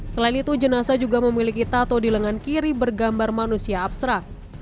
selain itu jenazah juga memiliki tato di lengan kiri bergambar manusia abstrak